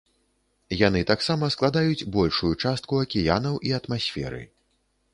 Яны таксама складаюць большую частку акіянаў і атмасферы.